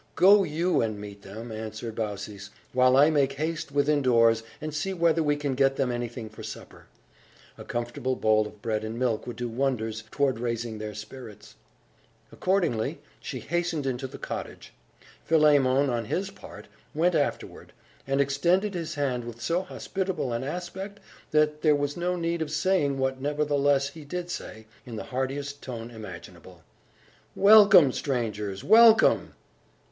"Go you and meet them," answered Baucis, "while I make haste within doors, and see whether we can get them anything for supper. A comfortable bowl of bread and milk would do wonders toward raising their spirits." Accordingly, she hastened into the cottage. Philemon, on his part, went forward, and extended his hand with so hospitable an aspect that there was no need of saying what nevertheless he did say, in the heartiest tone imaginable: "Welcome, strangers! welcome!"